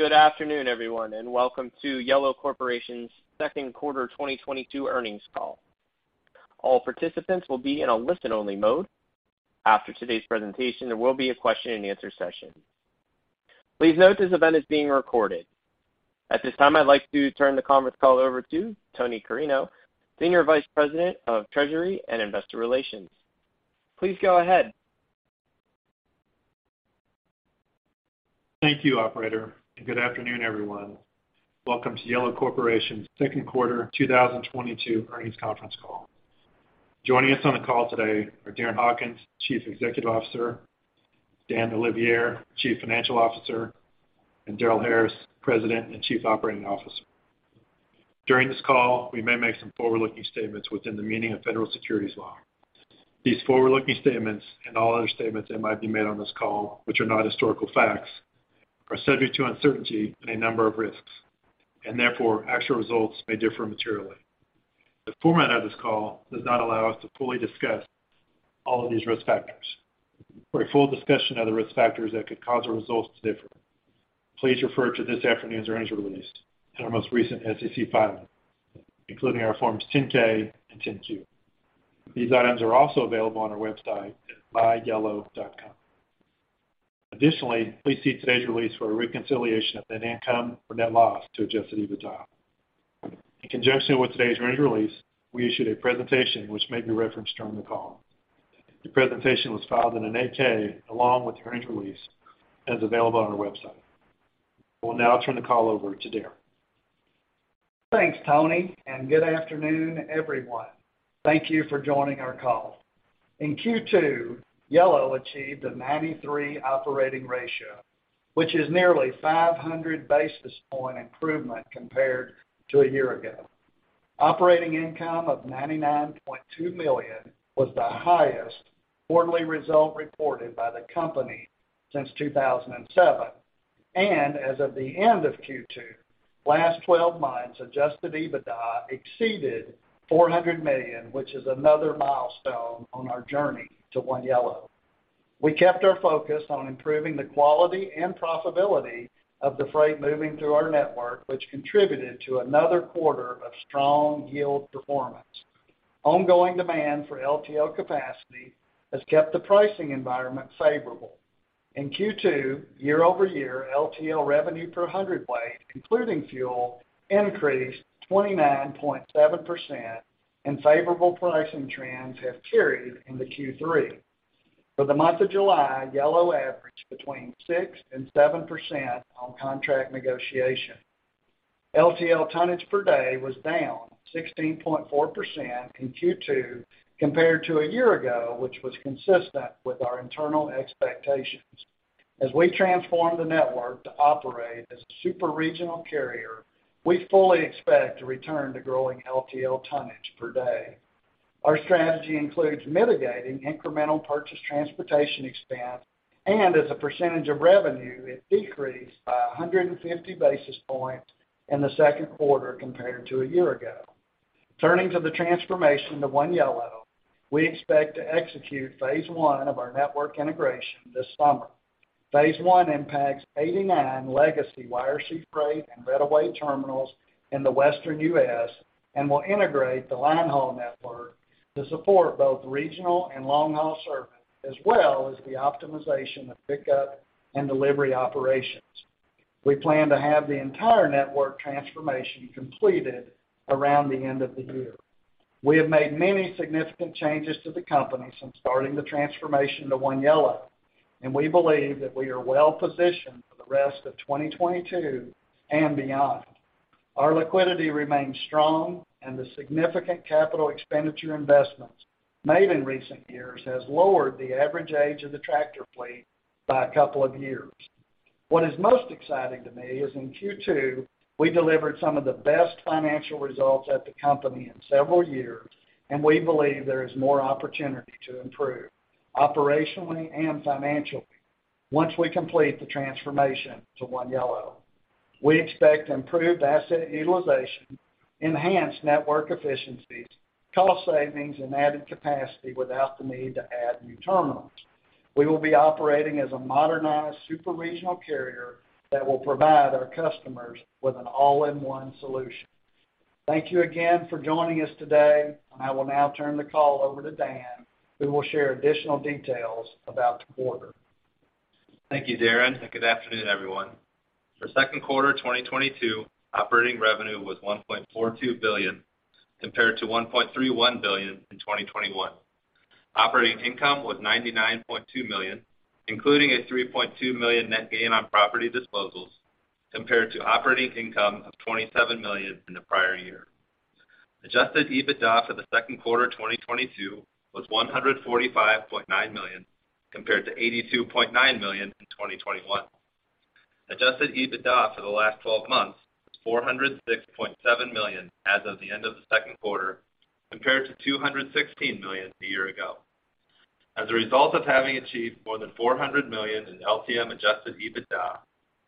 Good afternoon, everyone, and welcome to Yellow Corporation's second quarter 2022 earnings call. All participants will be in a listen-only mode. After today's presentation, there will be a question-and-answer session. Please note this event is being recorded. At this time, I'd like to turn the conference call over to Tony Carreño, Senior Vice President of Treasury and Investor Relations. Please go ahead. Thank you, operator, and good afternoon, everyone. Welcome to Yellow Corporation's second quarter 2022 earnings conference call. Joining us on the call today are Darren Hawkins, Chief Executive Officer, Daniel Olivier, Chief Financial Officer, and Darrel Harris, President and Chief Operating Officer. During this call, we may make some forward-looking statements within the meaning of federal securities law. These forward-looking statements, and all other statements that might be made on this call which are not historical facts, are subject to uncertainty and a number of risks, and therefore actual results may differ materially. The format of this call does not allow us to fully discuss all of these risk factors. For a full discussion of the risk factors that could cause our results to differ, please refer to this afternoon's earnings release and our most recent SEC filing, including our Forms 10-K and 10-Q. These items are also available on our website at myyellow.com. Additionally, please see today's release for a reconciliation of net income or net loss to Adjusted EBITDA. In conjunction with today's earnings release, we issued a presentation which may be referenced during the call. The presentation was filed in an 8-K along with the earnings release and is available on our website. I will now turn the call over to Darren. Thanks, Tony, and good afternoon, everyone. Thank you for joining our call. In Q2, Yellow achieved a 93 operating ratio, which is nearly 500 basis point improvement compared to a year ago. Operating income of $99.2 million was the highest quarterly result reported by the company since 2007. As of the end of Q2, last twelve months Adjusted EBITDA exceeded $400 million, which is another milestone on our journey to One Yellow. We kept our focus on improving the quality and profitability of the freight moving through our network, which contributed to another quarter of strong yield performance. Ongoing demand for LTL capacity has kept the pricing environment favorable. In Q2, year-over-year LTL revenue per hundredweight, including fuel, increased 29.7% and favorable pricing trends have carried into Q3. For the month of July, Yellow averaged between 6%-7% on contract negotiation. LTL tonnage per day was down 16.4% in Q2 compared to a year ago, which was consistent with our internal expectations. As we transform the network to operate as a super-regional carrier, we fully expect to return to growing LTL tonnage per day. Our strategy includes mitigating incremental purchase transportation expense, and as a percentage of revenue, it decreased by 150 basis points in the second quarter compared to a year ago. Turning to the transformation to One Yellow, we expect to execute phase one of our network integration this summer. Phase I impacts 89 legacy YRC Freight and Reddaway terminals in the Western U.S. and will integrate the line haul network to support both regional and long-haul service, as well as the optimization of pickup and delivery operations. We plan to have the entire network transformation completed around the end of the year. We have made many significant changes to the company since starting the transformation to One Yellow, and we believe that we are well positioned for the rest of 2022 and beyond. Our liquidity remains strong and the significant capital expenditure investments made in recent years has lowered the average age of the tractor fleet by a couple of years. What is most exciting to me is in Q2, we delivered some of the best financial results at the company in several years, and we believe there is more opportunity to improve operationally and financially once we complete the transformation to One Yellow. We expect improved asset utilization, enhanced network efficiencies, cost savings, and added capacity without the need to add new terminals. We will be operating as a modernized super-regional carrier that will provide our customers with an all-in-one solution. Thank you again for joining us today, and I will now turn the call over to Dan, who will share additional details about the quarter. Thank you, Darren, and good afternoon, everyone. For second quarter 2022, operating revenue was $1.42 billion, compared to $1.31 billion in 2021. Operating income was $99.2 million, including a $3.2 million net gain on property disposals, compared to operating income of $27 million in the prior year. Adjusted EBITDA for the second quarter 2022 was $145.9 million, compared to $82.9 million in 2021. Adjusted EBITDA for the last twelve months was $406.7 million as of the end of the second quarter, compared to $216 million a year ago. As a result of having achieved more than $400 million in LTM Adjusted EBITDA,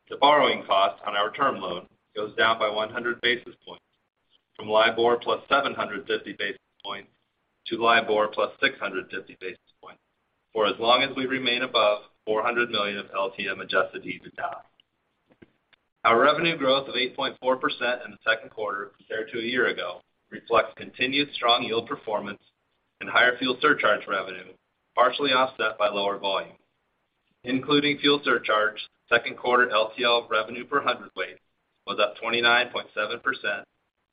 the borrowing cost on our term loan goes down by 100 basis points from LIBOR plus 750 basis points to LIBOR plus 650 basis points. For as long as we remain above $400 million of LTM Adjusted EBITDA. Our revenue growth of 8.4% in the second quarter compared to a year ago reflects continued strong yield performance and higher fuel surcharge revenue, partially offset by lower volume. Including fuel surcharge, second quarter LTL revenue per hundredweight was up 29.7%,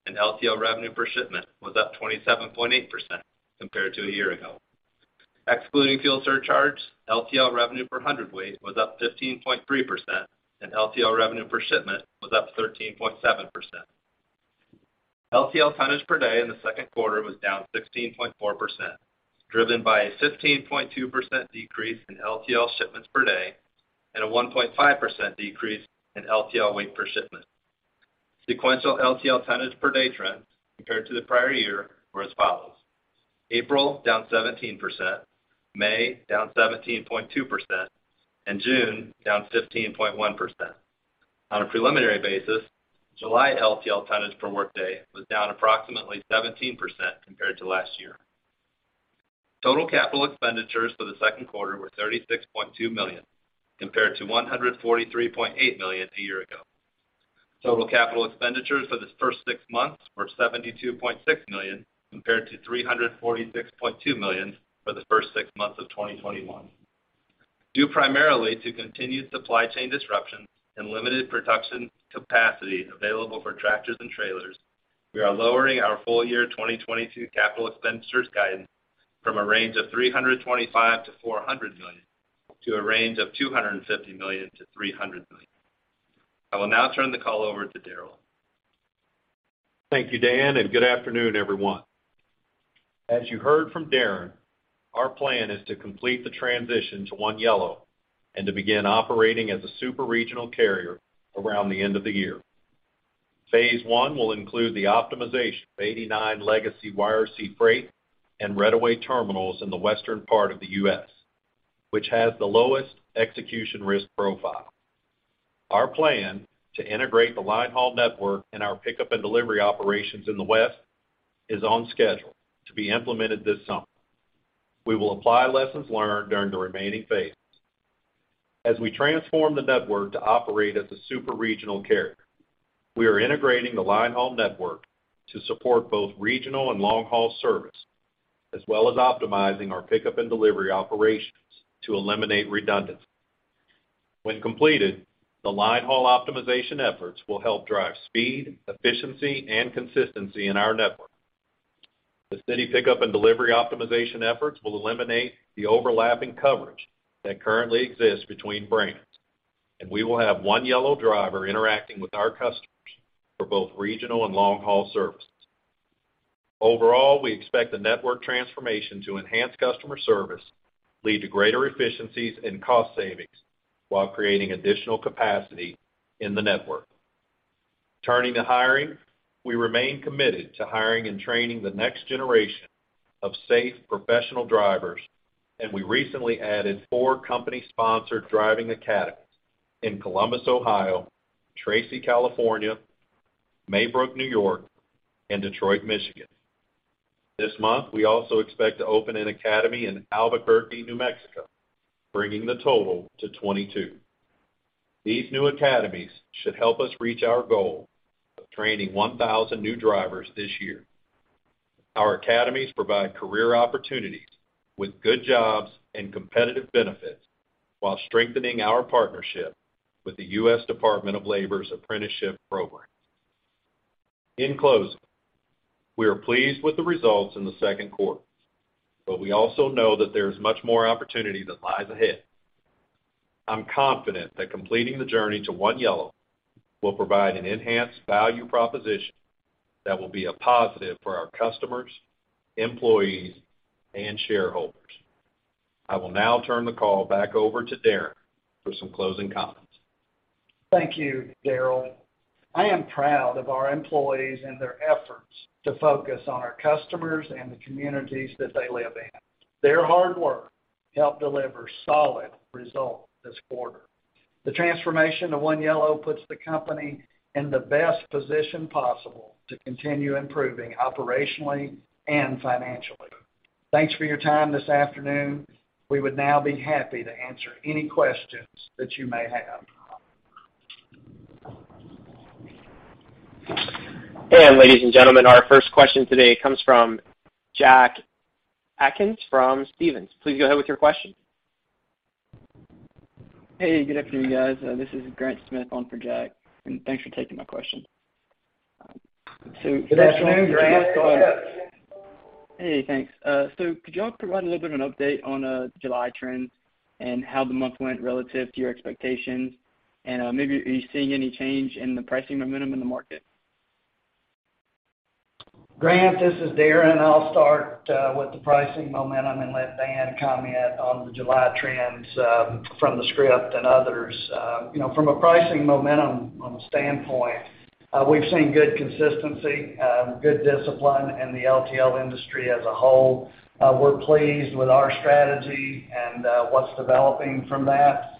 and LTL revenue per shipment was up 27.8% compared to a year ago. Excluding fuel surcharge, LTL revenue per hundredweight was up 15.3%, and LTL revenue per shipment was up 13.7%. LTL tonnage per day in the second quarter was down 16.4%, driven by a 15.2% decrease in LTL shipments per day and a 1.5% decrease in LTL weight per shipment. Sequential LTL tonnage per day trends compared to the prior year were as follows. April, down 17%, May, down 17.2%, and June, down 15.1%. On a preliminary basis, July LTL tonnage per workday was down approximately 17% compared to last year. Total capital expenditures for the second quarter were $36.2 million, compared to $143.8 million a year ago. Total capital expenditures for the first six months were $72.6 million, compared to $346.2 million for the first six months of 2021. Due primarily to continued supply chain disruptions and limited production capacity available for tractors and trailers, we are lowering our full year 2022 capital expenditures guidance from a range of $325 million-$400 million to a range of $250 million-$300 million. I will now turn the call over to Darrel. Thank you, Dan, and good afternoon, everyone. As you heard from Darren, our plan is to complete the transition to One Yellow and to begin operating as a superregional carrier around the end of the year. Phase I will include the optimization of 89 legacy YRC Freight and Reddaway terminals in the western part of the U.S., which has the lowest execution risk profile. Our plan to integrate the line haul network and our pickup and delivery operations in the west is on schedule to be implemented this summer. We will apply lessons learned during the remaining phases. As we transform the network to operate as a superregional carrier, we are integrating the line haul network to support both regional and long-haul service, as well as optimizing our pickup and delivery operations to eliminate redundancy. When completed, the line haul optimization efforts will help drive speed, efficiency, and consistency in our network. The city pickup and delivery optimization efforts will eliminate the overlapping coverage that currently exists between brands, and we will have One Yellow driver interacting with our customers for both regional and long-haul services. Overall, we expect the network transformation to enhance customer service, lead to greater efficiencies and cost savings while creating additional capacity in the network. Turning to hiring, we remain committed to hiring and training the next generation of safe, professional drivers, and we recently added four company-sponsored driving academies in Columbus, Ohio, Tracy, California, Maybrook, New York, and Detroit, Michigan. This month, we also expect to open an academy in Albuquerque, New Mexico, bringing the total to 22. These new academies should help us reach our goal of training 1,000 new drivers this year. Our academies provide career opportunities with good jobs and competitive benefits while strengthening our partnership with the U.S. Department of Labor's Apprenticeship programs. In closing, we are pleased with the results in the second quarter, but we also know that there is much more opportunity that lies ahead. I'm confident that completing the journey to One Yellow will provide an enhanced value proposition that will be a positive for our customers, employees, and shareholders. I will now turn the call back over to Darren for some closing comments. Thank you, Darrel. I am proud of our employees and their efforts to focus on our customers and the communities that they live in. Their hard work helped deliver solid results this quarter. The transformation to One Yellow puts the company in the best position possible to continue improving operationally and financially. Thanks for your time this afternoon. We would now be happy to answer any questions that you may have. Ladies and gentlemen, our first question today comes from Jack Atkins from Stephens. Please go ahead with your question. Hey, good afternoon, guys. This is Grant Smith on for Jack, and thanks for taking my question. Good afternoon, Grant. Go ahead. Hey, thanks. So could you all provide a little bit of an update on July trends and how the month went relative to your expectations? Maybe are you seeing any change in the pricing momentum in the market? Grant, this is Darren. I'll start with the pricing momentum and let Dan comment on the July trends from the script and others. You know, from a pricing momentum standpoint, we've seen good consistency, good discipline in the LTL industry as a whole. We're pleased with our strategy and what's developing from that.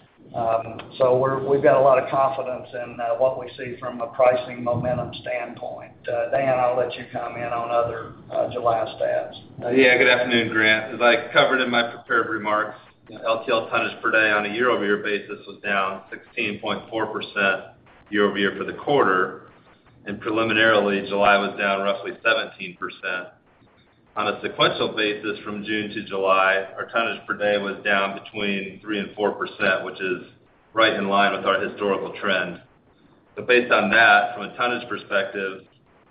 We've got a lot of confidence in what we see from a pricing momentum standpoint. Dan, I'll let you comment on other July stats. Yeah, good afternoon, Grant. As I covered in my prepared remarks, LTL tonnage per day on a year-over-year basis was down 16.4% year-over-year for the quarter, and preliminarily, July was down roughly 17%. On a sequential basis from June to July, our tonnage per day was down between 3% and 4%, which is right in line with our historical trend. Based on that, from a tonnage perspective,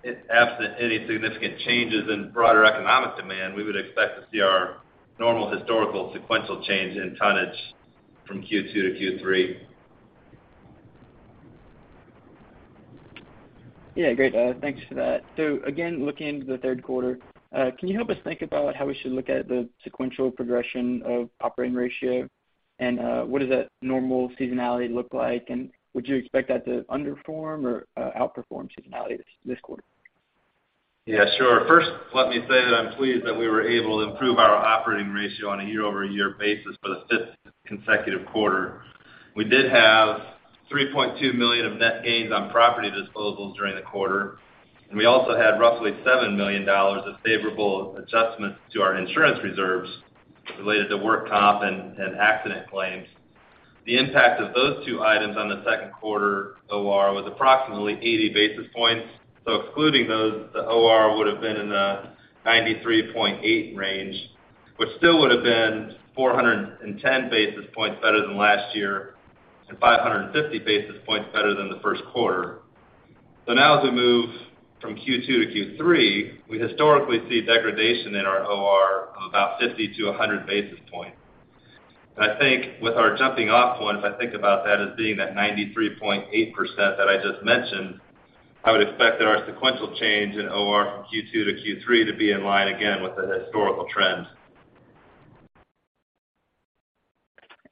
it's absent any significant changes in broader economic demand, we would expect to see our normal historical sequential change in tonnage from Q2 to Q3. Yeah, great. Thanks for that. Again, looking into the third quarter, can you help us think about how we should look at the sequential progression of operating ratio? What does that normal seasonality look like? Would you expect that to underperform or outperform seasonality this quarter? Yeah, sure. First, let me say that I'm pleased that we were able to improve our operating ratio on a year-over-year basis for the fifth consecutive quarter. We did have $3.2 million of net gains on property disposals during the quarter, and we also had roughly $7 million of favorable adjustments to our insurance reserves related to work comp and accident claims. The impact of those two items on the second quarter OR was approximately 80 basis points. Excluding those, the OR would have been in the 93.8% range, which still would have been 410 basis points better than last year and 550 basis points better than the first quarter. Now as we move from Q2 to Q3, we historically see degradation in our OR of about 50-100 basis points. I think with our jumping off point, if I think about that as being that 93.8% that I just mentioned, I would expect that our sequential change in OR from Q2 to Q3 to be in line again with the historical trends.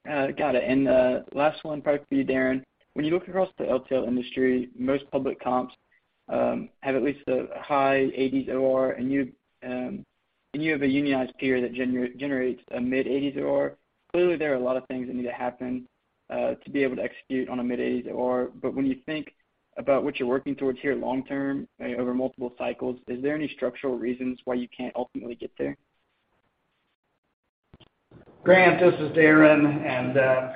Got it. Last one, probably for you, Darren. When you look across the LTL industry, most public comps have at least a high 80s OR, and you have a unionized peer that generates a mid-80s OR. Clearly, there are a lot of things that need to happen to be able to execute on a mid-80s OR. When you think about what you're working towards here long term over multiple cycles, is there any structural reasons why you can't ultimately get there? Grant, this is Darren,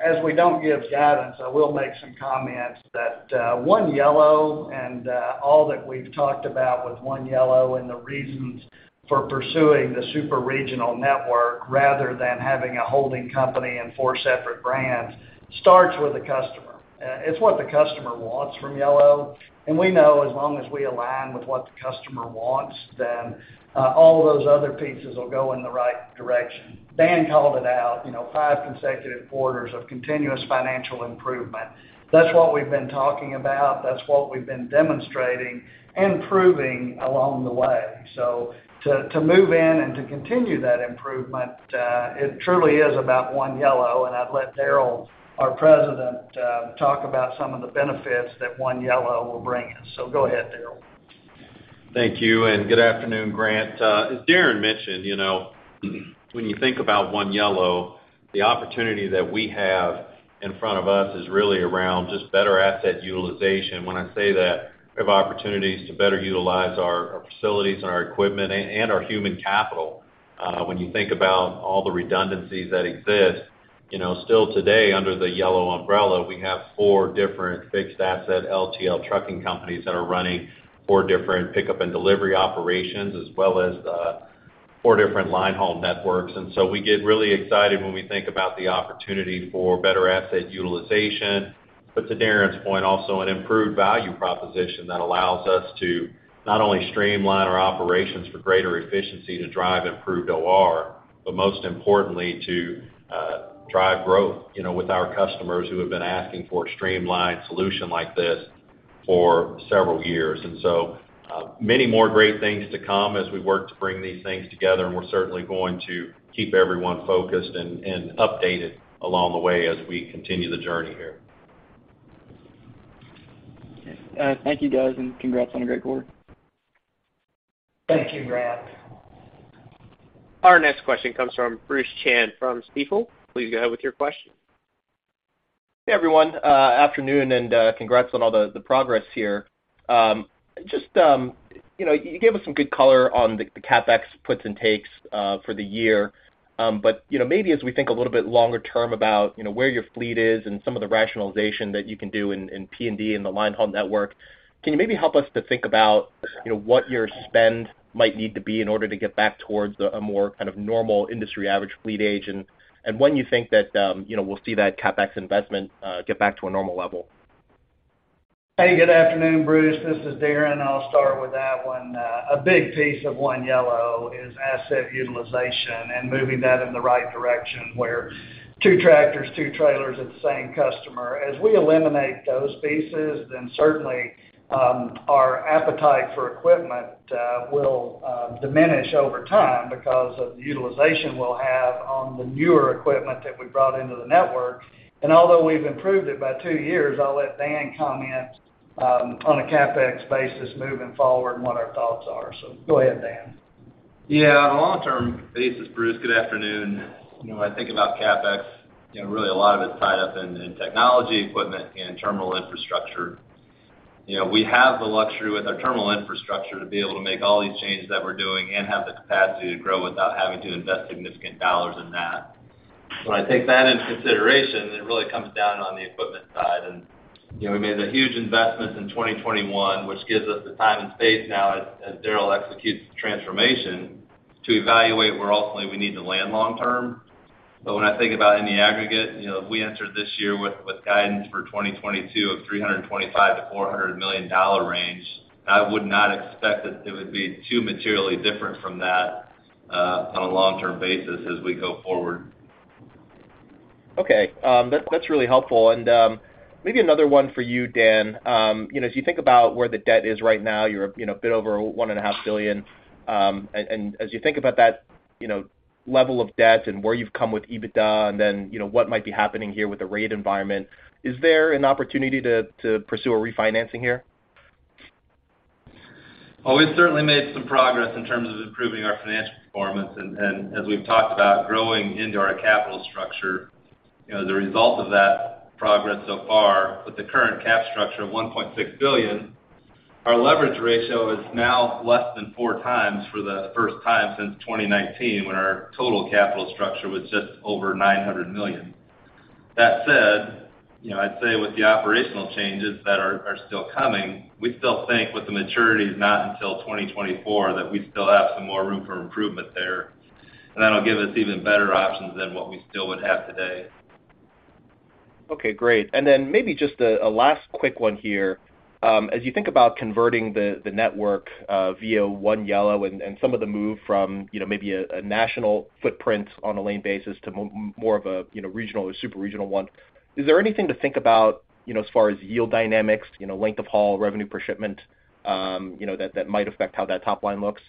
as we don't give guidance, I will make some comments that One Yellow and all that we've talked about with One Yellow and the reasons for pursuing the super regional network rather than having a holding company and four separate brands starts with the customer. It's what the customer wants from Yellow. We know as long as we align with what the customer wants, then all of those other pieces will go in the right direction. Dan called it out, you know, five consecutive quarters of continuous financial improvement. That's what we've been talking about. That's what we've been demonstrating and proving along the way. To move in and to continue that improvement, it truly is about One Yellow, and I'd let Darrel, our President, talk about some of the benefits that One Yellow will bring us. Go ahead, Darrel. Thank you, and good afternoon, Grant. As Darren mentioned, you know, when you think about One Yellow, the opportunity that we have in front of us is really around just better asset utilization. When I say that, we have opportunities to better utilize our facilities and our equipment and our human capital. When you think about all the redundancies that exist, you know, still today under the Yellow umbrella, we have four different fixed asset LTL trucking companies that are running four different pickup and delivery operations, as well as four different line haul networks. We get really excited when we think about the opportunity for better asset utilization. To Darren's point also, an improved value proposition that allows us to not only streamline our operations for greater efficiency to drive improved OR, but most importantly, to drive growth, you know, with our customers who have been asking for a streamlined solution like this for several years. Many more great things to come as we work to bring these things together, and we're certainly going to keep everyone focused and updated along the way as we continue the journey here. Okay. Thank you, guys, and congrats on a great quarter. Thank you, Grant. Our next question comes from J. Bruce Chan from Stifel. Please go ahead with your question. Hey, everyone, afternoon and congrats on all the progress here. Just, you know, you gave us some good color on the CapEx puts and takes for the year. But, you know, maybe as we think a little bit longer term about, you know, where your fleet is and some of the rationalization that you can do in P&D and the line haul network, can you maybe help us to think about, you know, what your spend might need to be in order to get back towards a more kind of normal industry average fleet age and when you think that, you know, we'll see that CapEx investment get back to a normal level? Hey, good afternoon, Bruce. This is Darren. I'll start with that one. A big piece of One Yellow is asset utilization and moving that in the right direction where two tractors, two trailers at the same customer. As we eliminate those pieces, then certainly our appetite for equipment will diminish over time because of the utilization we'll have on the newer equipment that we brought into the network. Although we've improved it by two years, I'll let Dan comment on a CapEx basis moving forward and what our thoughts are. Go ahead, Dan. Yeah. On a long-term basis, Bruce, good afternoon. You know, when I think about CapEx, you know, really a lot of it is tied up in technology equipment and terminal infrastructure. You know, we have the luxury with our terminal infrastructure to be able to make all these changes that we're doing and have the capacity to grow without having to invest significant dollars in that. When I take that into consideration, it really comes down on the equipment side. You know, we made the huge investments in 2021, which gives us the time and space now as Darrel executes the transformation to evaluate where ultimately we need to land long-term. When I think about in the aggregate, you know, we entered this year with guidance for 2022 of $325 million-$400 million range. I would not expect that it would be too materially different from that, on a long term basis as we go forward. Okay. That's really helpful. Maybe another one for you, Dan. You know, as you think about where the debt is right now, you're, you know, a bit over $1.5 billion. And as you think about that, you know, level of debt and where you've come with EBITDA and then, you know, what might be happening here with the rate environment, is there an opportunity to pursue a refinancing here? Well, we certainly made some progress in terms of improving our financial performance and as we've talked about growing into our capital structure. You know, the result of that progress so far with the current cap structure of $1.6 billion, our leverage ratio is now less than 4x for the first time since 2019 when our total capital structure was just over $900 million. That said, you know, I'd say with the operational changes that are still coming, we still think with the maturities not until 2024, that we still have some more room for improvement there. That'll give us even better options than what we still would have today. Okay, great. Maybe just a last quick one here. As you think about converting the network via One Yellow and some of the move from, you know, maybe a national footprint on a lane basis to more of a, you know, regional or super regional one, is there anything to think about, you know, as far as yield dynamics, you know, length of haul, revenue per shipment, you know, that might affect how that top line looks?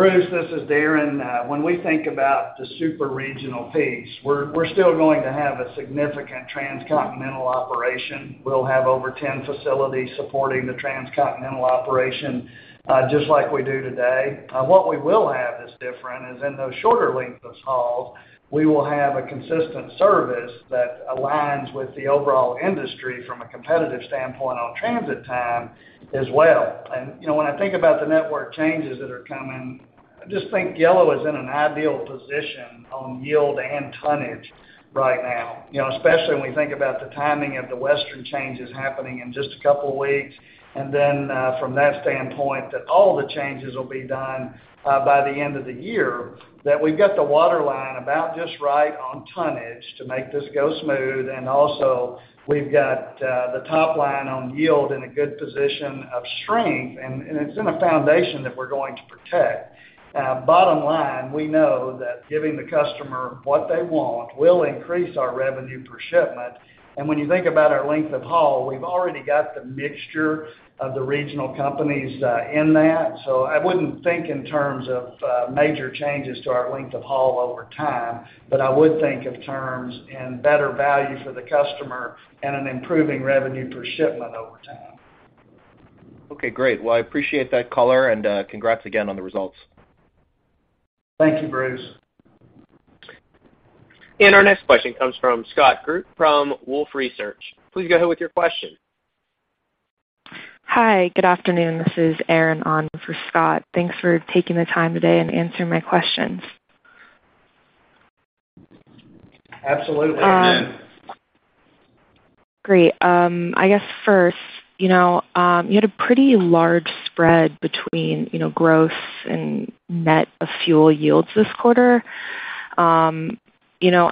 Bruce, this is Darren. When we think about the super regional piece, we're still going to have a significant transcontinental operation. We'll have over 10 facilities supporting the transcontinental operation, just like we do today. What we will have that's different is in those shorter length of hauls, we will have a consistent service that aligns with the overall industry from a competitive standpoint on transit time as well. You know, when I think about the network changes that are coming, I just think Yellow is in an ideal position on yield and tonnage right now, you know, especially when we think about the timing of the Western changes happening in just a couple of weeks. From that standpoint, that all the changes will be done by the end of the year, that we've got the waterline about just right on tonnage to make this go smooth. Also we've got the top line on yield in a good position of strength, and it's in a foundation that we're going to protect. Bottom line, we know that giving the customer what they want will increase our revenue per shipment. When you think about our length of haul, we've already got the mixture of the regional companies in that. I wouldn't think in terms of major changes to our length of haul over time, but I would think in terms of better value for the customer and an improving revenue per shipment over time. Okay, great. Well, I appreciate that color and congrats again on the results. Thank you, Bruce. Our next question comes from Scott Group from Wolfe Research. Please go ahead with your question. Hi, good afternoon. This is Erin on for Scott. Thanks for taking the time today and answering my questions. Absolutely. Thanks, Erin. Great. I guess first, you know, you had a pretty large spread between, you know, gross and net of fuel yields this quarter.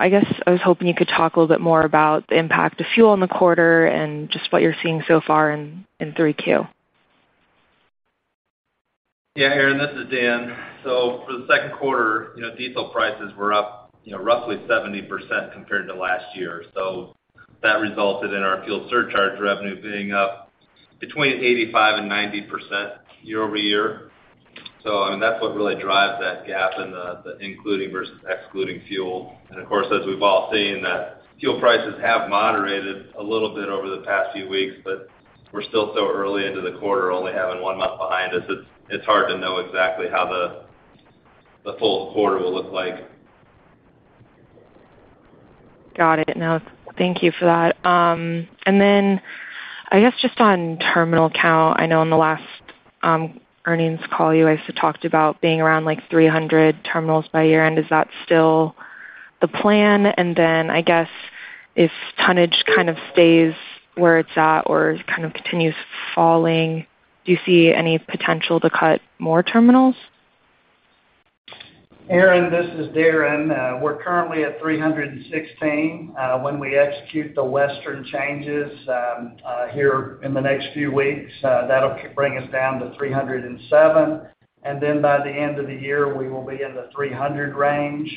I guess I was hoping you could talk a little bit more about the impact of fuel in the quarter and just what you're seeing so far in 3Q. Yeah, Erin, this is Dan. For the second quarter, you know, diesel prices were up, you know, roughly 70% compared to last year. That resulted in our fuel surcharge revenue being up between 85% and 90% year-over-year. I mean, that's what really drives that gap in the including versus excluding fuel. Of course, as we've all seen, that fuel prices have moderated a little bit over the past few weeks, but we're still so early into the quarter, only having one month behind us, it's hard to know exactly how the full quarter will look like. Got it. No, thank you for that. I guess just on terminal count, I know in the last earnings call, you also talked about being around, like, 300 terminals by year-end. Is that still the plan? I guess if tonnage kind of stays where it's at or kind of continues falling, do you see any potential to cut more terminals? Erin, this is Darren. We're currently at 316. When we execute the Western changes here in the next few weeks, that'll bring us down to 307. By the end of the year, we will be in the 300 range.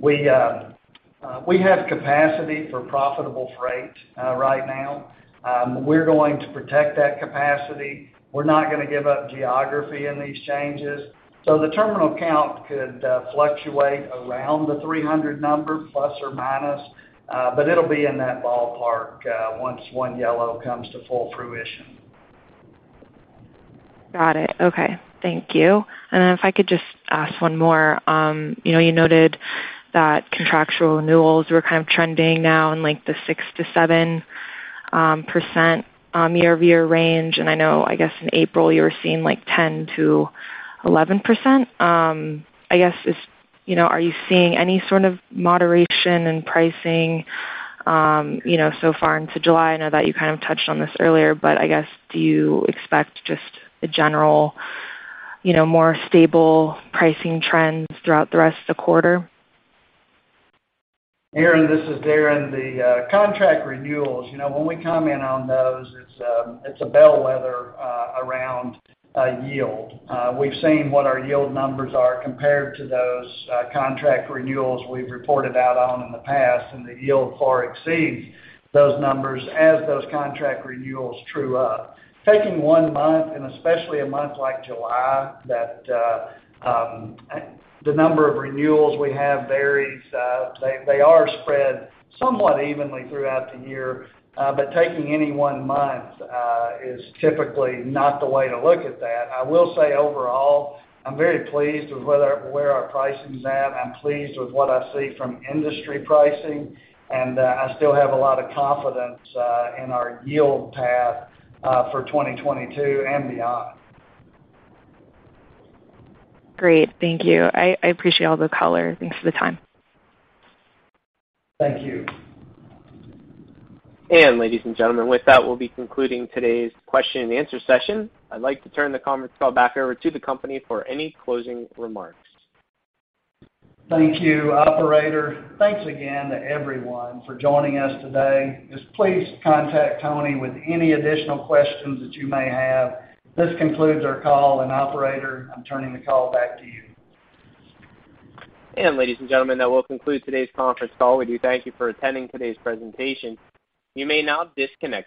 We have capacity for profitable freight right now. We're going to protect that capacity. We're not gonna give up geography in these changes. The terminal count could fluctuate around the 300 number ±, but it'll be in that ballpark once One Yellow comes to full fruition. Got it. Okay. Thank you. If I could just ask one more. You know, you noted that contractual renewals were kind of trending now in like the 6%-7% year-over-year range. I know I guess in April you were seeing like 10%-11%. I guess it's, you know, are you seeing any sort of moderation in pricing, you know, so far into July? I know that you kind of touched on this earlier, but I guess, do you expect just a general, you know, more stable pricing trends throughout the rest of the quarter? Erin, this is Darren. The contract renewals, you know, when we comment on those, it's a bellwether around yield. We've seen what our yield numbers are compared to those contract renewals we've reported out on in the past, and the yield far exceeds those numbers as those contract renewals true up. Taking one month, and especially a month like July, that the number of renewals we have varies. They are spread somewhat evenly throughout the year, but taking any one month is typically not the way to look at that. I will say overall, I'm very pleased with where our pricing's at. I'm pleased with what I see from industry pricing, and I still have a lot of confidence in our yield path for 2022 and beyond. Great. Thank you. I appreciate all the color. Thanks for the time. Thank you. Ladies and gentlemen, with that we'll be concluding today's question and answer session. I'd like to turn the conference call back over to the company for any closing remarks. Thank you, operator. Thanks again to everyone for joining us today. Just please contact Tony with any additional questions that you may have. This concludes our call, and operator, I'm turning the call back to you. Ladies and gentlemen, that will conclude today's conference call. We do thank you for attending today's presentation. You may now disconnect your-